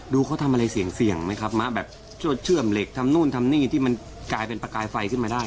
เขาทำอะไรเสี่ยงไหมครับมาแบบชวดเชื่อมเหล็กทำนู่นทำนี่ที่มันกลายเป็นประกายไฟขึ้นมาได้